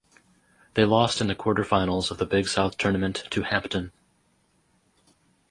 They lost in the quarterfinals of the Big South Tournament to Hampton.